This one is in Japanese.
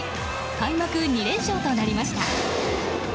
開幕２連勝となりました。